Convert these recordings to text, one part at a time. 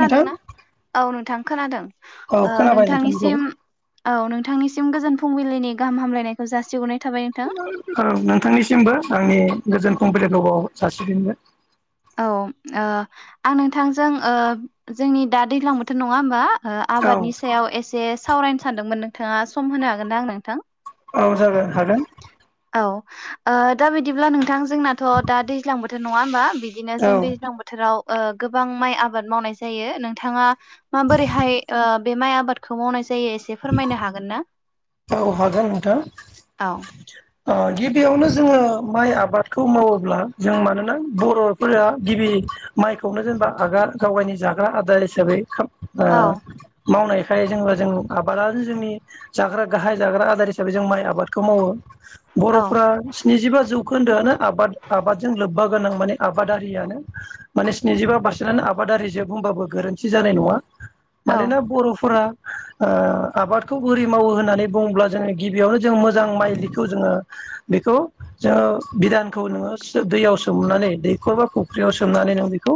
नोंथां औ नोंथां खोनादों औ ओ खोनाबाय नोंथांनिखौ नोंथांनिसिम औ नोंथांनिसिम गोजोन फुंबिलिनि गाहाम हामलायनायखौ जासिहरनाय थाबाय नोंथां औ नोंथांनिसिमबो आंनि गोजोन कमप्लि दबाव जासिनो औ ओ आं नोंथांजों ओ जोंनि दा दैज्लां बोथोर नङा होमबा ओ औ आबादनि सायाव एसे सावरायनो सानदोंमोन नोंथाङा सम होनो हागोनना नोंथां औ जागोन हागोन औ ओ दा बिदिब्ला नों थां जोंनाथ' दा दैज्लांबो थोर नङा होमबा बिदिनो औ जों दैज्लां बोथोराव ओ गोबां माइ आबाद मावनाय जायो नोंथाङा माबोरै हाय ओ बे माइ आबादखौ मावनाय जा जायो एसे फोरमायनो हागोन ना औ हागोन नोंथां औ ओ गिबियावनो जोङो माइ आबादखौ मावोब्ला जों मानोना बर'फोरा गिबि माइखौनो जेनेबा आगा गावायनि जाग्रा आदार हिसाबै ओ औ मावनाय खाय जोंबो जों आबादानो जोंनि जाग्रा- गाहाय जाग्रा आदार हिसाबै जों माइ आबादखौ मावो औ बर'फोरा स्निजिबा जौ खोन्दोआनो आबाद आबादजों लोब्बा गोनां माने आबादारियानो माने स्निजिबा पारसेन्टआनो आबादारिजोब बुंबाबो गोरोन्थि जानाय नङा औ मानोना बर'फोरा ओ आबादखौ बोरै मावो होननानै बुंब्ला जोङो गिबियावनो- जों मोजां माइलिखौ जोङो बेखौ जोङो बिदानखौ नोङो दैयाव सोमनानै दैखर बा फुख्रियाव सोमनानै नों बेखौ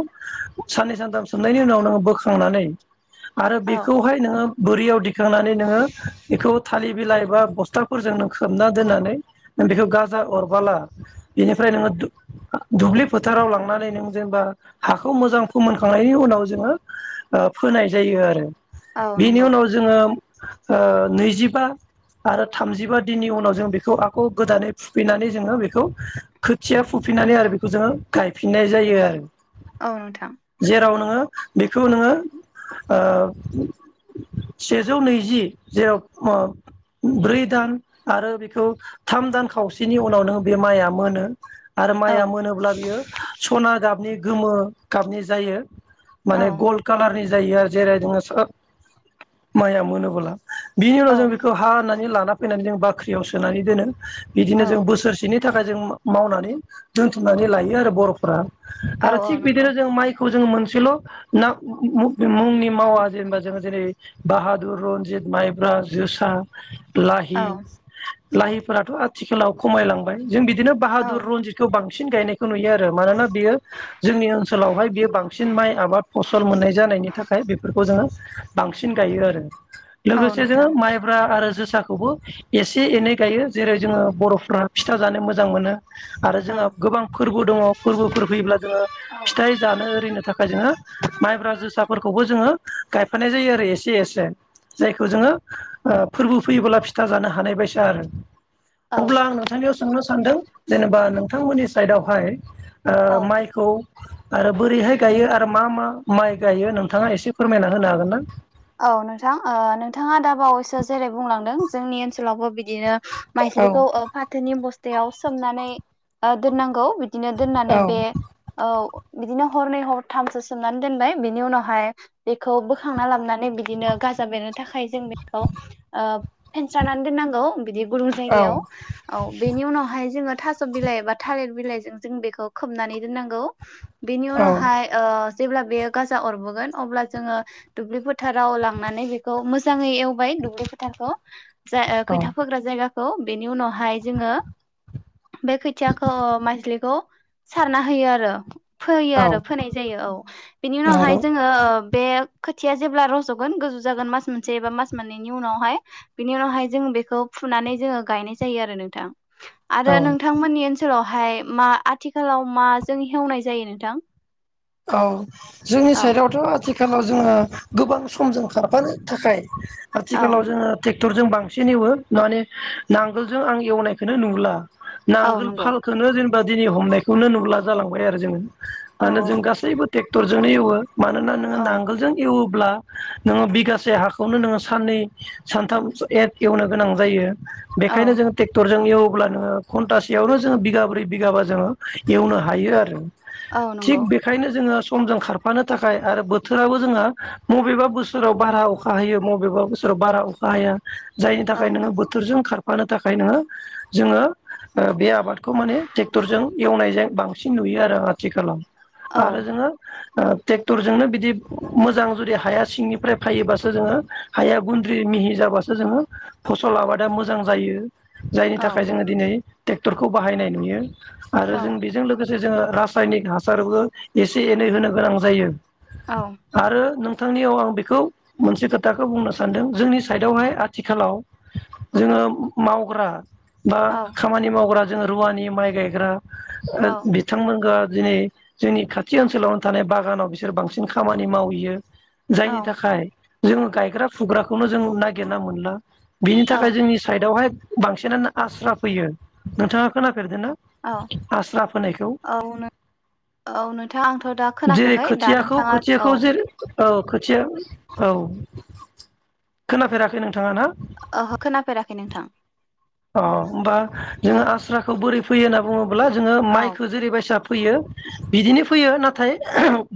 साननै सानथाम सोमनायनि उनाव नोङो बोखांनानै आरो औ बेखौहाय नोङो बोरियाव दिखांनानै नोङो बेखौ थालिर बिलाइ एबा बस्थाफोरजों नों खोबना दोननानै नों बेखौ गाजा अरबाला बेनिफ्राय नोङो दु दुब्लि फोथाराव लांनानै नों जेनेबा हाखौ मोजां फोमोनखांनायनि उनाव जोङो ओ फोनाय जायो आरो औ बेनि नंगौ उनाव जोङो ओ नैजि बा आरो थामजिबा दिननि उनाव जों बेखौ आखौ गोदानै फुफैनानै जोङो बेखौ खोथिया फुफिनानै आरो बेखौ जोङो गायफिननाय जायो आरो औ नोंथां जेराव नोङो बेखौ नोङो ओ सेजौ नैजि जेराव ओ ब्रै दान आरो बेखौ थाम दान खावसेनि उनावनो बे माइआ मोनो आरो औ माइया मोनोब्ला बियो सना गाबनि गोमो गाबनि जायो औ माने गलड कालारनि- जायो आरो जेरै नोङो स माइया मोनोबोला बिनि उनाव औ जों बेखौ हा होनना- लाना फैनानै जों बाख्रियाव सोनानै दोनो बिदिनो औ जों बोसोरसेनि नि थाखाय जों मावनानै दोन्थुमनानै लायो आरो बर'फोरा औ आरो औ थिग नंगौ बिदिनो जों माइ- खौ जोङो मोनसेल' ना मुं मुंनि मावा जेनेबा जोंङो जेरै बाहादुर रनजित माइ- रा जोसा लाहि औ लाहिफोराथ' आथिखालाव खमायलांबाय जों बिदिनो औ बाहादुर रनजितखौ बां- बांसिन गायनायखौ नुयो आरो मानोना बियो जोंनि ओनसोलावहाय बियो बांसिन माइ आबाद फसल मोननाय जानायनि थाखाय बेफोरखौ जोङो बांसिन गायो आरो औ लोगो - जोङो नोंथां माइब्रा आरो जोसा फिथाखौबो एसे एनै गायो जेरै जोङो बर'फ्रा फिथा जानो मोजां मोनो। आरो औ जोंहा गोबां फोरबो दङ फोरबोफोर फैयोब्ला जोङो औ फिथाइ जानो ओरिनो थाखाय जोङो माइब्रा जोसाफोरखौबो जोङो। गायफानाय जायो आरो एसे एसे जायखौ खौ जोङो ओ फोरबो फैयोब्ला फिथा जानो हानाय बायसा आरो। औ अब्ला आं नोंथांनियाव सोंनो सानदों जेनेबा नों नोंथांमोननि साइडआवहाय ओ औ माइखौ आरो बोरैहाय गायो आरो मा मा? माइ गायो नोंथाङा एसे फोरमायना होनो हागोनना? औ नोंथां ओ नोंथाङा दा बावैसो जेरै बुंलांदों जोंनि ओनसोलावबो बिदिनो औ माइस्लिखौ फाथोनि बस्था थयाव सोमनानै दोननांगौ बि बिदिनो दोननानै औ बे औ बिदिनो हरनै हरथामसो सोमनानै दोनबाय बिनि उनावहाय बेखौ बोखांना लाबनानै बिदिनो गाजा बेरनो थाखाय। जों बेखौ ओ एरसारनानै दोननांगौ बिदि गुदुं औ जायगायाव औ बेनि उनावहाय जोङो थास' बिलाइ एबा थालिर बिलाइजों जों बेखौ खोबनानै दोननांगौ। बेनि औ उनावहाय ओ जेब्ला बेयो गाजा अरबोगोन अब्ला जोङो दुब्लिफोर फोथाराव लांनानै बेखौ मोजाङै एव ओमफ्राय दुब्लिफोरखौ जा औ खोथिया फोग्रा जायगा खौ बेनि उनावहाय जोङो बे खोथियाखौ माइस्लिखौ सारना होयो आरो। फोयो औ आरो फोनाय जायो औ बिनि उनावहाय नंगौ जोङो बे खोथिया जेब्ला रज'गोन गोजौ जागोन मास मोनसे एबा मास मोननैनि उनावहाय बिनि उनावहाय जों बेखौ फुनानै जोङो गायनाय जायो आरो नोंथां। आरो औ नोंथांमोननि ओनसोलाव ओमफाय मा आथिखालाव माजों हेवनाय जायो नोंथां औ जोंनि औ साइडआवथ' आथिखालाव जोङो गोबां समजों खारफानो थाखाय औ आथिखालाव जोङो ट्रेक्टरजों बांसिन। एवो माने नांगोलजों आं एवनायखौनो नुला औ नांगोल नंगौ फालखौ जेने बेबादिनि हमनायखौनो नुला जालांबाय आरो जोङो मा औ होन जों गा ट्रेक्टरजोंनो एवो मानोना नोङो औ नांगोलजों एवो ब्ला नोङो बिगासे हाखौनो नोङो साननै सानथाम ए वनो गोनां जायो औ बेखायनो जों ट्रेक्टर जों एवोब्ला नोङो घन्टासेयावनो जोङो बिगाब्रै बिगाबा जोङो एवनो हायो आरो औ नंगौ थिग । बेखायनो जोङो समजों खारफानो थाखाय आरो बोथोराबो जोङो मबेबा बोसो राव बारा अखा हायो मबेबा बोसोराव बारा अखा हाया जायनि थाखाय नोङो बोथोरजों खार फानो थाखाय नोङो जोङो ओ बे आबादखौ माने ट्रेक्टरजों एवनायजाय बांसिन नुयो आरो आथिखालाव । आरो जोङो ओ ट्रेक्टरजोंनो बिदि मोजां जुदि हाया सिंनिफ्राय फायोबासो जोङो हाया गुन्द्रि मिहि जाबासो जोङो फसल आबादा मोजां जायो । जायनि थाखाय जोङो दिनै ट्रेक्टरखौ बाहायनाय नुयो । आरो जों औ-औ-औ-औ-औ-औ-औ-औ-औ-औ-औ-औ बेजों लोगो से जोङो रासायनिक हासारबो एसे एनै होनो गोनां जायो । आरो नों थांनियाव आं बेखौ मोनसे खोथाखौ बुंनो सानदों जोंनि साइदआवहाय आथिखालाव जोङो मावग्रा बा खामानि मावग्रा जों रुवानि माइ गायग्रा ओ बिथांमोनखो दिनै जोंनि खाथि ओनसोलावनो थानाय बागानाव बिसोर बांसिन खामानि मावहैयो औ जायनि थाखाय जोङो गायग्रा फुग्राखौनो जों नागिरना मोनला । बिनि औ थाखाय जोंनि साइदआवहाय बांसिनानो आस्रा फैयो नोंथाङा खोना फेरदोना औ आस्रा फोनायखौ? औ नों औ नोंथां आंथ' दा जेरै खोनाफैयाखै दा खोथियाखौ नोंथाङा औ खोथियाखौ जेरै औ खोथिया औ । खोनाफेराखै नोंथाङा ना? ओहो खोनाफेराखै नोंथां । अ'होमबा जोङो आस्राखौ बोरै फैयो होनना बुङो ब्ला जोङो औ माइखो जेरैबायसा फैयो बिदिनो फैयो नाथाय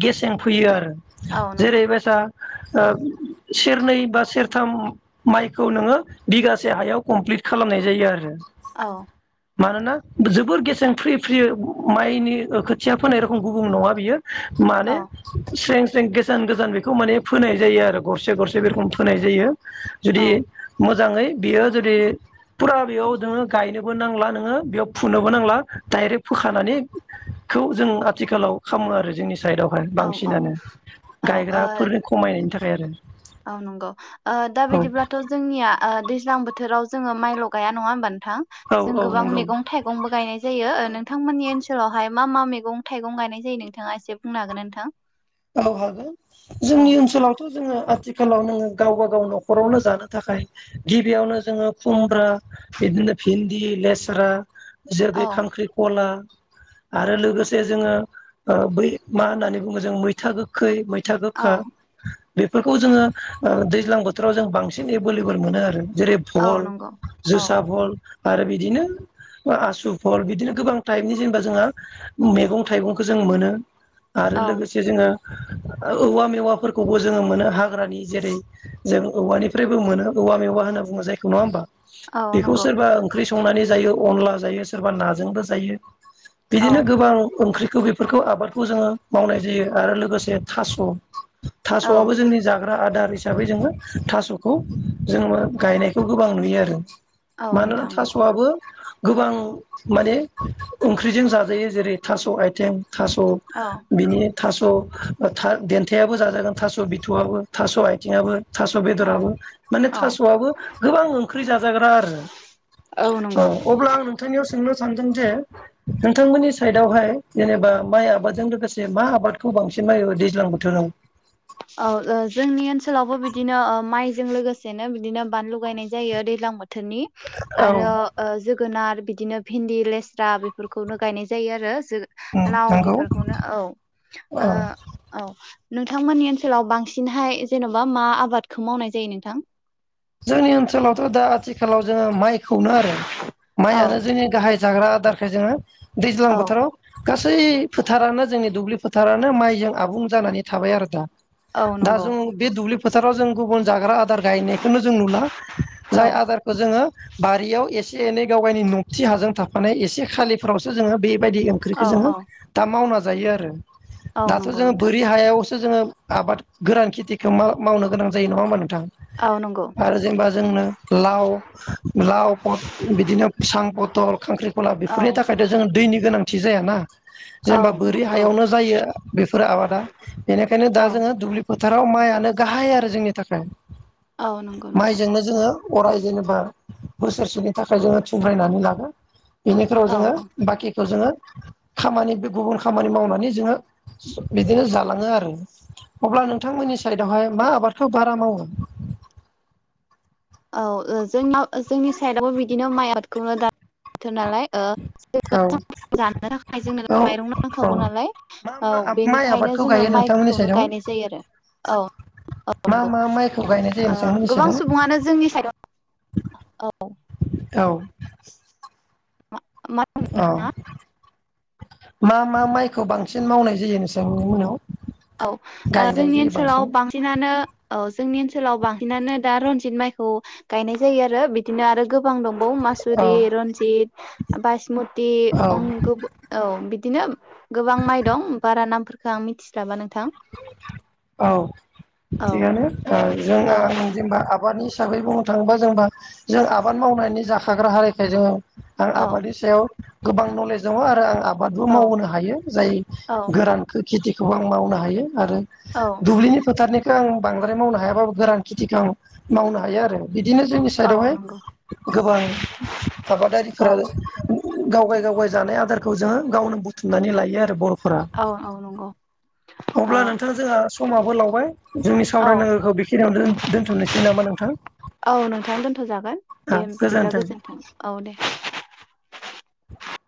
गेसें फैयो आरो। औ नंगौ जेरै बायसा ओ सेरनै बा सेरथाम माइखौ नोङो बिगासे हायाव कमप्लिट खालामनाय जायो आरो। औ मानोना जोबोर गेसें फ्रि फ्रि माइनि ओ खोथिया फोनाय रोखोम गुबुं नङा बियो माने औ स्रें स्रें गोजान गोजान बेखौ माने फोनाय जायो आरो गरसे गरसे बे रखोम फोनाय जायो। औ जुदि मो जाङै बियो जुदि फुरा बेयाव नोङो गायनोबो नांला नोङो बेयाव फुनोबो नांला डायरेक्ट फोखानानै खौ जों आथिखालाव खालामो आरो जोंनि साइदआवहाय औ औ बांसिनानो ओ गायग्राफोर खमायनायनि था खाय आरो। औ नंगौ ओ दा बिदिब्लाथ' जोंनिया ओ दैज्लां बोथोराव जोङो माइल' गाया नङा होमबा नों थां औ औ जों औ गोबां नंगौ। मैगं थाइगंबो गायनाय जायो औ नोंथांमोननि ओनसो सोलावहाय मा मा मेगं थाइगं गायनाय जायो नोंथाङा एसे बुंनो हागोन ना नोंथां? औ हागोन जोंनि औ ओनसोलावथ' जोङो आथिखालाव नोङो गावबा गाव न'खरावनो जानो थाखाय गिबियावनो जोङो खुमब्रा बिदिनो भिन्दि लेस्रा जेरगै औ खांख्रिखला आरो लोगोसे जोङो ओ बै मा होननानै बुङो जों मै था गोखै मै था औ गोखा बेफोरखौ जोङो ओ दैज्लां बोथोराव जों बांसिन एभेलेबल मोनो आरो। जेरै औ भल नंगौ औ जोसा भल आरो बिदिनो ओ आसु भल बिदिनो गोबां टाइपनि जेनेबा जोंहा मैगं थाइगंखो जों मोनो। आरो औ लोगोसे औवा मेवाफोरखौबो जोङो मोनो हाग्रानि जेरै जों औवानिफ्रायबो मोनो औवा मेवा होनना बुङो औ बेखौ नंगौ सोरबा ओंख्रि संनानै जायो अनला जायो सोरबा नाजोंबो जायो। औ बिदिनो गोबां ओंख्रि खो बेफोरखौ आबादखौ जोङो मावनाय जायो। आरो लोगोसे थास' औ थास'आबो जोंनि जाग्रा आदार हिसाबै जोङो थास'खौ जोङो गायनायखौ गोबां नुयो आरो औ मानोना नोंथां नंगौ थास'आबो गोबां माने ओंख्रिजों जाजायो जेरै थास' आइटें थास' औ बिनि थास' थां देनथायाबो जाजागोन थास' बिथआबो थास' आयथिङाबो थास' औ बेदराबो माने औ थास'आबो गोबां ओंख्रि जाजाग्रा आरो औ अब्ला आं नोंथांनियाव सोंनो सानदों जे नोंथांमोननि साइडआवहाय जेनेबा माइ आबादजों लोगोसे मा आबाद खौ बांसिन म दैज्लां बोथोराव? औ ओ जोंनि ओनसोलावबो बिदिनो ओ माइजों लोगोसेनो बिदिनो बानलुगायनाय जायो दैज्लां बोथोर बोथोरनि औ आरो ओ जोगोनार बि बिदिनो भिन्दि लेस्रा बेफोरखौनो गायनाय जायो आरो जो लाव नंगौ बेफोरखौनो औ औ ओ औ नोंथांमोननि ओन ओनसोलाव बांसिनहाय जेन'बा मा आबादखौ मावनाय जायो नोंथां? जोंनि ओनसोलावथ' दा आथिखालाव जों माइखौनो आरो औ माइयानो जों गाहाय जाग्रा आदारखाय जोङो दैज्लां औ बोथोराव गासै फोथारानो जोंनि दुब्लि फोथारानो माइजों आबुं जानानै थाबाय आरो दा औ दा नंगौ जों बे दुब्लि फोथाराव जों गुबुन जाग्रा आदार गायनाय बेखौनो जों नुला औ जाय आदारखौ जोङो बारियाव एसे एनै गाव गावनि न'थि हाजों थाफानाय एसे खालिफोरावसो जोङो बे बायदि ओंख्रिखौ औ जोंङो औ दा मावना जायो आरो औ दाथ' नंगौ जोङो नोंथां बोरि हायाव सो जोङो आबाद गोरान खेथिखौ मा-माव मावनो गोनां जायो नङा म नों औ नंगौ दा जेनेबा जोंनो लाव लाव बिदिनो सां पथल खांख्रिखला औ बेफोरनि थाखायथ' जोङो दैनि गोनां थिजाया ना। औ जेनेबा बोरि नंगौ हायावनो जायो बेफोर आबादा बेनिखायनो दा औ जोङो दुब्लि फोथाराव माइानो गाहाय आरो जोंनि थाखाय औ नंगौ नोंथां। माइजोंनो जोङो अराय जेनेबा बोसोरसेनि थाखाय जोङो थुमग्रायनानै लागोन बेनिफ्रायाव औ जोङो बाखि खौ जोङो खामानि बे गुबुन खामानि मावनानै जोङो बिदिनो जालाङो आरो अब्ला नोंथांमोननि साइडआवहाय मा आबादखौ बारा मावो? औ ओ जोंनाव जोंनि साइडआवबो बिदिनो माइआब खौनो दा थो नालाय ओ [inaudible] जानो थाखाय औ जोंनो मायरं औ नांखागौ नालाय मा ओ मा माइ बेनिखायनो आबादखौ जोङो गायो नोंथांमोननि माइखौनो साइडआव गायनाय जायो आरो ओ ओ मा नंगौ मा माइखौ गायनाय जायो ओ नोंथांमोननि गोबां साइडआव सुबुंआनो औ। औ मा होनो औ नोंथाङा मा मा माइखौ बांसिन मावनाय जायो नों [unintelligible] औ ओ जोंनि ओनसोलाव बांसिनानो औ जोंनि ओनसोलाव बांसिनानो दा रनजित माइखौ गायनाय जायो आरो बिदिनो आरो गो बां दंबावो औ मासुरि, रनजित, बाइसमुति औ अं गो औ दिनो गोबां माइ दं बारा नामफोरखौ आं मिथि जाबानो औ औ थिगानो ओ जों औ आं जेनेबा आबादनि हिसाबै बुंनो थाङोबा जोंबा जों आबाद मावनायनि जाखाग्रा हारिखाय जोङो आरो औ आबादनि सायाव गोबां नलेज दङ आरो आं आ आबादबो औ मावनो हायो जाय औ गोरानखौ खेथिखौबो आं मावनो हा हायो। आरो औ दुब्लिनि फोथारनि आं बांद्राय मावनो हायाबाबो गोरान खेथिखौ आं मावनो हायो आरो बिदिनो जोंनि औ साइडआवहाय नंगौ गोबां आबादारिफोरा औ गावगाय गावगाय जानाय आदारखौ जोङो गावनो बुथुमनानै लायो आरो बर' औ औ नंगौ। अब्ला ओ नोंथां जोंहा समाबो लावबाय जोंनि औ सावरायनांगौखौ बेखिनियावनो दोन्थ'नोसै नामा नोंथां औ नोंथां दोनथ' जागोन दे बिदिब्ला गोजोन्थों। औ दे